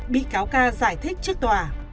bị cáo ca giải thích trước tòa